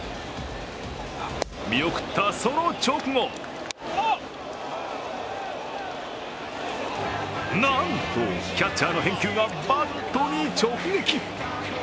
見送った、その直後なんと、キャッチャーの返球がバットに直撃。